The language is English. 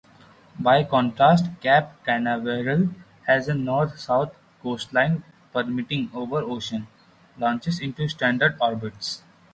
By contrast, Cape Canaveral has a North-South coastline permitting over-ocean launches into standard orbits.